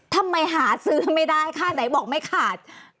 ทำไมหาซื้อไม่ได้ค่าไหนบอกไม่ขาด